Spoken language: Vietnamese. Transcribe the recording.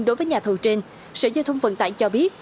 đối với nhà thầu trên sở giao thông vận tải cho biết